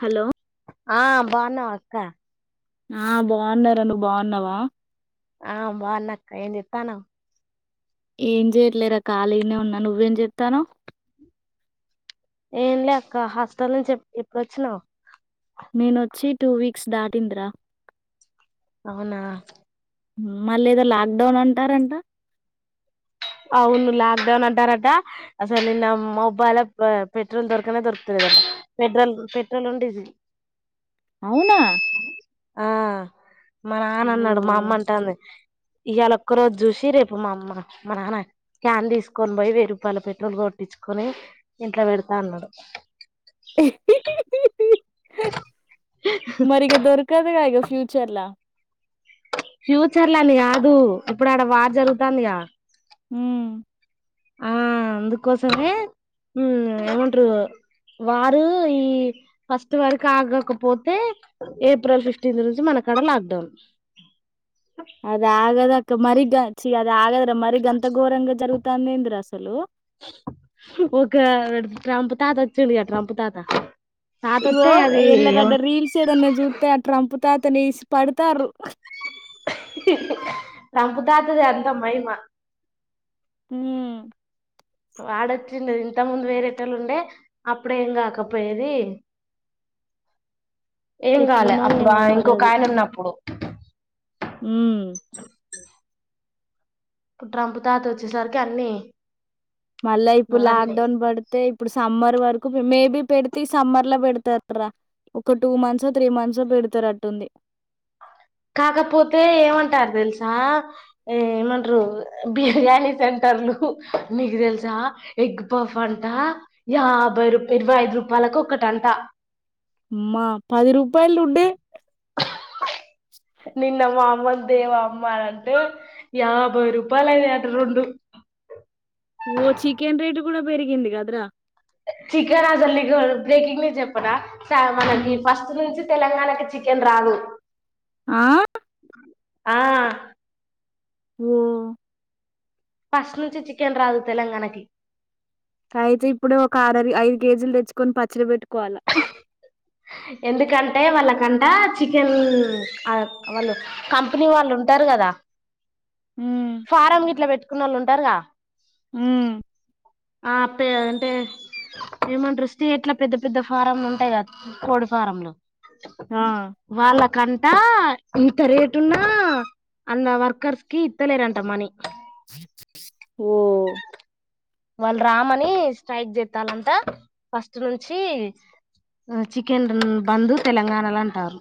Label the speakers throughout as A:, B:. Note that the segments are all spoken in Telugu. A: హలో
B: ఆ బాగున్నావా అక్క
A: ఆ బాగున్నరా నువ్వు బాగున్నావా
B: ఆ బాగున్న అక్క ఏం చెత్తన్నావ్
A: ఏం చేయట్లేరా ఖాళీనే ఉన్నా నువ్వేం చెప్తాను
B: ఏంలే అక్క హాస్పిటల్ నుంచి ఎప్పుడుచ్చినావు
A: నేనొచ్చి టూ వీక్స్ దాటిందిరా
B: అవునా
A: మళ్ళీ ఏదో లాక్ డౌన్ అంటారంట
B: అవును లాక్ డౌన్ అంటారట అసలు ని మబ్బా ఎలా పెట్రోల్ దొరకనే దొరుకుతుది పెట్రోల్ పెట్రోల్ అండ్ డీజిల్
A: అవునా
B: ఆ మా నాన్న
A: ఓ
B: అన్నాడు మా అమ్మ అంటాంది ఇవాళ ఒక్క రోజు చూసి రేపు మా అమ్మ మా నాన్న క్యాన్ తీసుకొని పోయి వెయ్యి రూపాయల పెట్రోల్ కొట్టించుకొని ఇంట్లో పెడతా అన్నాడు
A: మరిగా దొరకదు కాగా ఫ్యూచర్లా
B: ఫ్యూచర్ లో అని కాదు ఇప్పుడు ఆడ వార్ జరుగుతుందియా
A: ఉ
B: అందుకోసమే ఏమంటరు వారు ఈ ఫస్ట్ వరకు ఆగకపోతే ఏప్రిల్ ఫిఫ్టీన్ నుంచి మనకు ఆక్కడ లాక్ డౌన్
A: అది ఆగదు ఆగదు అక్క మరి అంత ఘోరంగా జరుగుతందింది అసలు
B: ఒక ట్రంప్ తాత వచ్చిండు కదా ట్రంప్ తాత
A: ఇగో
B: తాతొత్తే అది
A: ఎల్లనన్న
B: ఏమంట-
A: రీల్స్ చూస్తే ట్రంప్ తాత ను ఏసి పడతారు
B: ట్రంపు తాతదే అంతా మహిమ
A: ఉ
B: వాడొచ్చిండ ఇంత ముందు వేరేటోళ్లు ఉండే అప్పుడేం కాకపోయేది ఏం కావాలే
A: ఎట్లనో
B: అప్పుడు
A: ఏమో
B: ఆ ఇంకోక ఆయన ఉన్నప్పుడు
A: ఉ
B: ఇప్పుడు ట్రంప్ తాత వచ్చేసరికి అన్నీ
A: మళ్ళా ఇప్పుడు లాక్ డౌన్ పడితే ఇప్పుడు సమ్మర్ వరకు మేబీ పెడితే సమ్మర్ లో పెడతారా ఒక టూ మంత్స్ త్రీ మంత్స్ పెడతారుట్టుంది
B: కాకపోతే ఏమంటారు తెలుసా ఏ ఏమంటారు బిర్యానీ సెంటర్ మీకు తెలుసా ఎగ్ పఫ్ అంట యాభై రూ ఇరవై ఐదు రూపాయల ఒకటి అంట
A: అమ్మ పది రూపాలు ఉండే
B: నిన్న మా అమ్మ ను తేవా అంటే అమ్మ యాభై రూపాయలు అయి అంట రెండు
A: ఓ చికెన్ రైట్ కూడా పెరిగింది కదరా
B: చికెన్ అసలు నీకు బ్రేకింగ్ న్యూస్ చెప్పనా మనకి
A: హ్మ్.
B: ఫస్ట్ నుంచి తెలంగాణ కు చికెన్ రాదు
A: ఆ
B: ఆ
A: ఓ
B: ఫస్ట్ నుంచి చికెన్ రాదు తెలంగాణ కి
A: అయితే ఇప్పుడు ఒక ఆరవి ఐదు కేజీలు తెచ్చుకొని పచ్చడి పెట్టుకోవాలా
B: ఎందుకంటే వాళ్ళకంటా చికెన్ అ వాళ్ళు కంపెనీ వాళ్ళు ఉన్ టరు గదా
A: హ్మ్.
B: ఫారం గిట్లా పెట్టుకున్నోళ్ళు ఉంటారుగా
A: ఊ
B: ఆ పే అంటే ఏమంటరు స్టేట్ల పెద్ద పెద్ద ఫారమ్లు ఉంటయ్ గా కోడి ఫారంలు
A: ఆ
B: వాళ్ళకంటా ఇంత రేటున్నా అన్న వర్కర్స్ కి ఇత్తలేరంట మనీ
A: ఓ
B: వాళ్ రామని స్ట్రైక్ చేత్తాలంటా ఫస్ట్ నుంచీ ఉ చికెన్ ర్ బందు తెలంగాణల అంటారు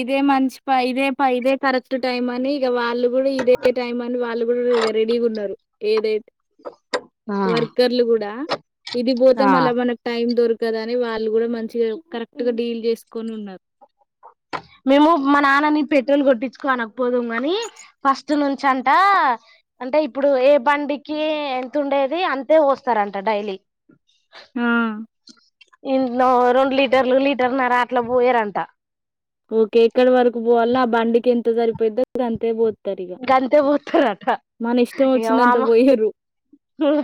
A: ఇదే మంచి ప ఇదే ప ఇదే కరెక్ట్ టైమ్ అని ఇగ వా ళ్ళు గూడా ఇదే టైం అని వాళ్ళు గూడ రెడీగున్నారు ఏదే
B: ఆ
A: వర్కర్లు గూడా ఇది బోతే
B: ఆ
A: మళ్ళ మనక్ టైం దొర్ కద అని వాళ్ గూడా మంచిగ కరెక్ట్ గ డీల్ చేసుకొని ఉన్నారు
B: మేము మా నాన్నని పెట్రోల్ కొట్టించుకో అనకపోదుం గానీ ఫస్ట్ నుంచి అంటా అంటే ఇప్పుడు ఏ బండికీ ఎంతుండేది అంతే వోస్తారంట డైలీ
A: ఆ
B: [unintelligible] లిట్ టర్లు లీటర్ నరా అట్ల బోయరంట
A: ఓకే ఎక్కడ వరకు బోవల్ల ఆ బండికి ఎంత సరిపోయిద్దో అంతే బో
B: గంతే పోత్తరట
A: ఇష్టం
B: ఇగ
A: వచ్చిందంత
B: మామ
A: పోయరు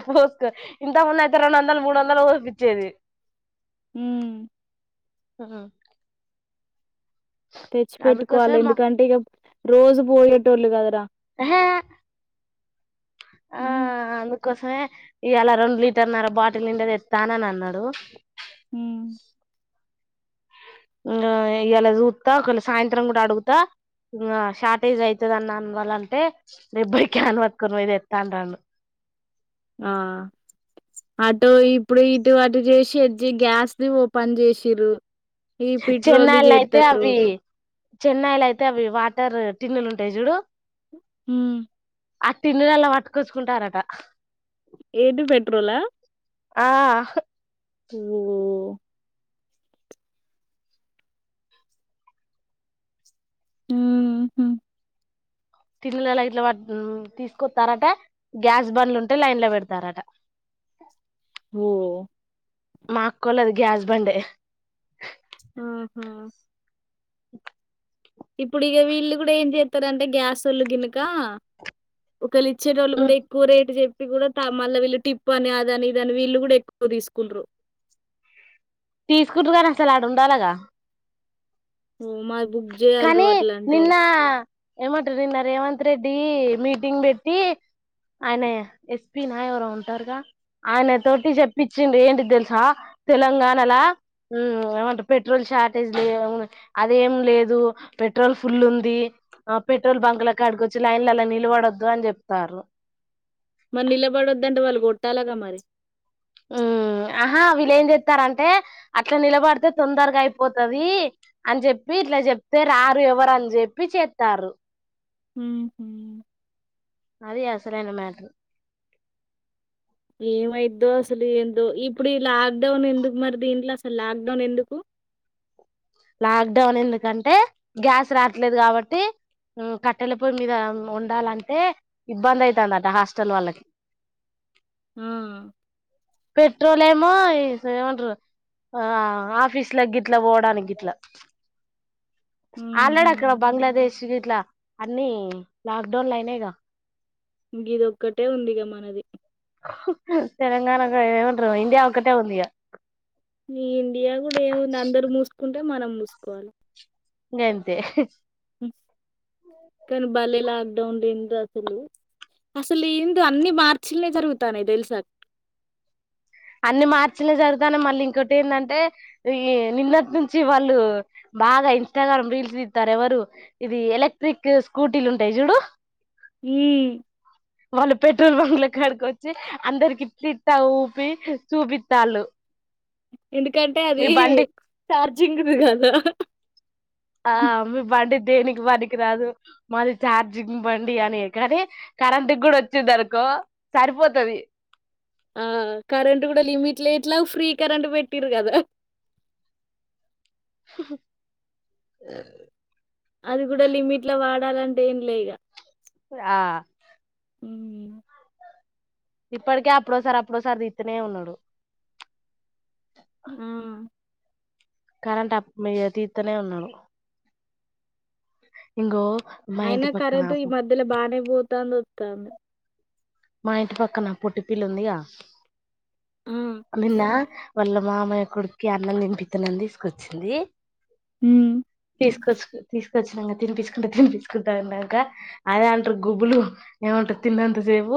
B: పోసుకో ఇంత ముందు అయితే రెండు వందల్ మూడు వందల్ పోపిచ్చేది
A: ఊ
B: ఆ
A: తెచ్చి పెట్టుకోవాలె
B: మా
A: ఎందుకంటే ఇగ రోజు బోయేటోళ్ళు గదరా
B: ఎహే ఆ అందుకోసమే ఇయ్యాల రెండు లీటర్నర బాటిల్ నిండా తెత్తానని అన్నడు
A: ఊ
B: ఊ ఇయ్యాల సూత్త కొన్ని సాయంత్రం గూడ అడుగుతా [unintelligible] షార్టేజ్ అయితది అన్న అన్ వాళ్ళంటే, రేబ్బోయి క్యాన్ వట్టుకోని వొయ్ తెత్తాంటాండు.
A: ఆ అటో ఇప్పుడు ఇటు అటు జేసి [unintelligible] గ్యాస్ ది ఓపన్ చేసిరు ఈ పెట్రోల్
B: చెన్నై
A: ది
B: లైతే
A: చేస్తారు
B: అవ్వి చెన్నైలైతే అవ్వి వాటర్ టిన్నులు ఉంటయ్ జూడు
A: ఉ
B: ఆ టిన్నులల్ల వట్టుకొచ్చుకుంటారట
A: ఏంటి పెట్రోలా
B: ఆ హ్
A: వో ఊమ్ హు
B: టిల్లులల్ల ఇట్ల తీసుకొత్తారట గ్యాస్ బండ్లుంటే లైన్ల వెడతారట
A: వో
B: మా అక్కోల్లది గ్యాస్ బండే
A: ఆహా ఇప్పుడు ఇగ వీళ్ళు గూడ ఏం చేత్తారంటే గ్యాస్ ఒళ్లు గినకా కెల్ ఇచ్చేటోళ్ళు గూడా ఎక్కువ రేట్ జె ఈ గుడతా మళ్ళ వీళ్ళు టిప్పు అని అదని ఇదని వీళ్ళు గూడ ఎక్కువ తీసుకుండ్రు
B: తీసుకుట్రు గాని అసలు ఆడ ఉండాలగా
A: ఉ మాది జేయాలిరో
B: కానీ
A: అట్లా అంటే,
B: నిన్నా ఏం అంటిర్రి నిన్న రేవంత్ రెడ్డీ మీటింగ్ బెట్టి ఆయన ఎస్ పి నా ఎవరో ఉంటారుగా ఆయన తోటి చెప్పించింది ఏంటిది తెలుసా తెలంగాణలా ఊ ఏమంటరూ పెట్రోల్ షార్టేజ్ లే అదేం లేదు దూ పెట్రోల్ ఫుల్ ఉందీ ఆ పెట్రోల్ బంక్ ల కాడి కొచ్చి లైన్లలో నిలవడద్దు అని చెప్తారు
A: కోట్టాలగా మరి
B: ఊ ఆహా వీళ్ళు ఏం చెప్తారంటే అట్లా నిలబడితే తొందరగా అయిపోతది అని చెప్పి ఇట్లా చెప్తే రారు ఎవరు అని చెప్పి చెప్తారు
A: ఉ హు
B: అది అసలైన మేటర్
A: ఏమైద్దో అసలు ఏందో ఇప్పుడు ఈ లాక్ డౌన్ ఎందుకు మరి దీంట్లో అసలు లాక్ డౌన్ ఎందుకు
B: లాక్ డౌన్ ఎందుకంటే గ్యాస్ రాట్లేదు కాబట్టీ ఉ కట్టెల పొయ్యి మీద వండాలంటే ఇబ్బంది అయితందట హాస్టల్ వాళ్ళకి
A: ఆ
B: పెట్రోలేమో ఈ ఏమంటరు ఆ ఆఫీస్ల గిట్లా పోవడానికి గిట్లా ఆల్రెడీ
A: హుహు.
B: అక్కడ బంగ్లాదేశ్ గిట్లా అన్నీ లాక్ డౌన్ లు అయినాయిగా
A: ఇదొక్కటే ఉందిగా మనది
B: తెలంగాణగా ఏమంటరూ ఇండియా ఒక్కటే ఉందిగా
A: ఈ ఇండియా గూడా ఏముంది అందరు మూసుకుంటే మనం మూసుకోవాలి
B: ఇ గంతే
A: కని బల్లిలా డౌన్టేంట్ అసలు అసలు ఏందో అన్నీ మార్చిల్నే జరుగుతానాయ్ తెలుసా నీకు
B: అన్నీ మార్చిల్నే జరుగుతానాయ్ మళ్ళీ ఇంకోటి ఎందంటే రీ నిన్నటి నుంచి వాళ్ళు బాగా ఇన్స్టాగ్రామ్ లో రీల్స్ తీస్తారెవరు ఇది ఎలక్ట్రిక్ స్కూటీలుంటాయి జూడు
A: హూ
B: పెట్రోల్ బంక్ లో కడుకొచ్చి అందరికి పిత్తా ఊపి చూపిత్తాలు
A: ఎందుకంటే అదీ చార్జింగ్ ది కదా
B: ఆ మీ బండి దేనికి పనికి రాదు మాది ఛార్జింగ్ బండి అనే కానీ కరెంట్ గూడా వచ్చిందనుకో సరిపోతది
A: ఏట్లా ఫ్రీ కరెంట్ బెట్టిరు గదా ఉండాలంటే ఏం లే ఇగా
B: ఆ
A: హ్ము
B: ఇప్పడకే అప్పుడోసారి అప్పుడోసారి దీత్తనే ఉన్నాడు
A: ఆ
B: కరంటప్ ఇగ తీత్తనే ఉన్నాడు ఇంగో మా
A: అయినా
B: ఇంటి పక్కన
A: కరెంటు ఈ మధ్యలో బానే పోతాంది వత్తాంది
B: మా ఇంటి పక్కన పొట్టి పిల్ల ఉందిగా
A: ఆ!
B: నిన్న వాళ్ళ మామయ కొడుక్కి అన్నం తినిపిత్తనని తీసుకొచ్చింది
A: హూ
B: తీసుకొచుకో తీసుకొచ్చినక తినిపిసుకుంట తినిపిసుకుంటాన్నాక అదే అంటరు గుబులు ఏమ తిన్నంత సేపు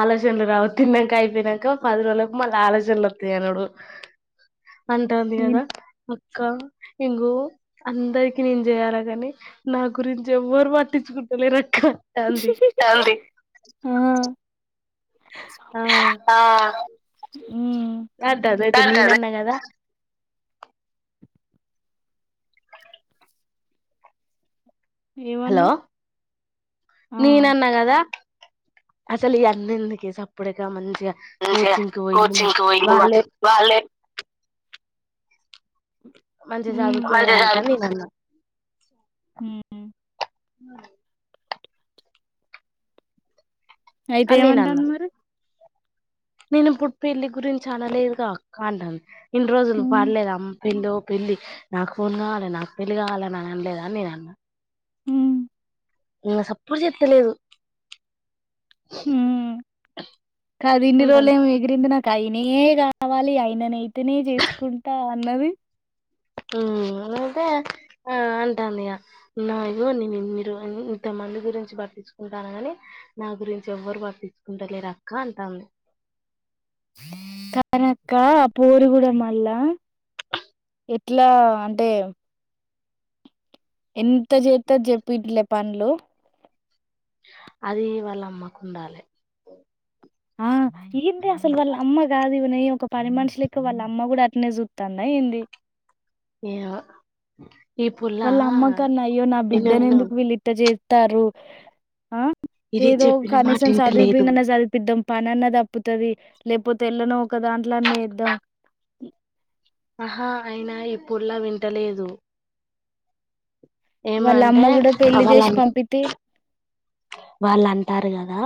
B: ఆలోచనలు రావు తిన్నాక అయిపోయినాక పది రోజులకు మళ్ళీ ఆలోచ నాలోతాయి అనుడు అంటంది కదా
A: ఏంటి?
B: ఇక్క ఇంగో అందరికి నేను చేయాలా కాని నా గురించి ఎవ్వరు పట్టించుకు టాలేరక్క
A: అంది ఆ ఆ హ్మ్.
B: అంటారు అయితే
A: అంటది.
B: నేనన్న కదా హలో
A: ఏమన్నావు? ఆ!
B: నేనన్న కదా! అసల్ ఇయన్నీ ఎందుకే సప్పుడిక మంచ్ ఇగ
A: మంచిగా
B: కోచింగ్కి పోయి
A: కోచింగ్‌కి పోయి
B: వాళ్ళే
A: వాళ్ళే
B: మంచిగా
A: హ్మ్.
B: చదువుకునేదానికన్న ఇవన్న
A: మ్
B: మాయ
A: అయితే
B: అని నేను అన్నా
A: ఏమంటంది మరి
B: నేను ఇప్పుడు పెళ్లి గురించి అనలేదుగా అక్క అంటంది, ఇన్ని రోజులు
A: హ్మ్.
B: పాడలేదా అమ్ పిల్లో పెళ్లి, నాకు ఫోన్ కావాలి, నాకు పెళ్ళి కావాలని అని అనలేదా అని నేనన్న.
A: మ్
B: ఇంగ సప్పుడు చెత్తలేదు.
A: మ్ కాదు ఇన్ని రోజులు
B: అంటాంది
A: ఏమి ఎగిరింది నాక్ ఆయనే కావాలి. ఆయననైతేనే చేసుకుంటా అన్నది.
B: మ్ అదే అంటాందిగ. నా అయ్యో నేనిన్ని రో ఇంత మన్ ది గురించి పట్టించుకుంటాన్నా గాని, నా గురించి ఎవ్వరు పట్టించుకుంటలేరక్క అంటాంది.
A: కానక్క ఆ పోరి కూడ మళ్ళ ఎట్లా అంటే, ఎంత చేత్తది చెప్పు ఇట్ల పనులు.
B: అదీ వాళ్ళమ్మకుండాలి.
A: ఆ ఏంటి అసలు వాళ్లమ్మగాదిగ నేను ఒక పని మనిషి లెక్క వాళ్ళ అమ్మ కూడ అట్టనే చూత్తాందా ఏంది?
B: ఏమో ఈ పుల్ల
A: వాళ్ళమ్మకన్న అయ్యో నా
B: ఇను
A: బిడ్డని
B: ఇను
A: ఎందుకు వీళ్ళిట్ట చేత్తారు? ఆ.
B: ఇది
A: ఏదో
B: చెప్పిన మాట
A: కనీసం సదువిపీ
B: వింటలేదు
A: నన్న సదువుపిద్ధం. పనన్న తప్పుతది లేకపోతే, ఎళ్ళనొ ఒక దాంట్లో అన్న ఏద్దాం.
B: ఆహా అయినా ఎప్పుల్లా వింటలేదు. ఏమంటే
A: వాళ్ళమ్మ కూడ పెళ్లి చేసి
B: వాళ్ళ
A: పంపితే,
B: వాళ్ళు అంటారు కదా!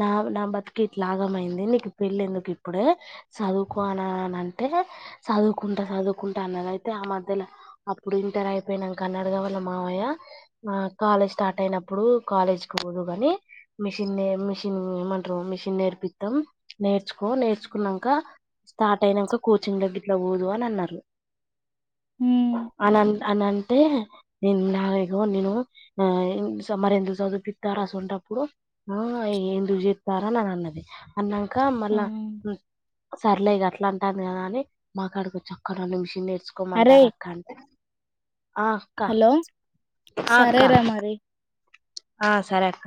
B: నా నా బతికిట్ల ఆగమయింది. నీకు పెళ్ళి ఎందుకు ఇప్పుడే, చదువుకోన అన అంటే చదువుకుంటా చదువుకుంటా అనన్నది. అయితే, ఆ మధ్యలో అప్పుడు ఇంటర్ అయిపోయినంక అన్నాడుగా వాళ్ళ మావయ్య, ఆ కాలేజ్ స్టార్ట్ అయినప్పుడు, కాలేజ్ పొదువ్ గాని మిషన్నే, మిషిన్ ఏమంటారు, మిషన్ నేర్పిత్తాం. నేర్చుకో. నేర్చుకున్నంక, స్టార్ట్ అయినంక కోచింగ్ దగ్గర్లో పోదువు అనన్నారు.
A: ఉమ్
B: అనన్ అనంటే నేనున్నాగో నేను ఆ మరెందుకు చదువుపి త్తరు అసువంటప్పుడు. ఆ. ఎందుకు చెప్పారన అని అన్నది. అన్నంక మళ్ళా సర్లే ఇగ అట్లాంటాది కదా అని మాకాడికి వచ్చి అక్క రండి మిషన్ నేర్
A: అరే
B: సుకోమంటారక్క అంటే, ఆ అక్క,
A: హలో
B: ఆ అక్క,
A: సరేరా మరి
B: ఆ సరే అక్క.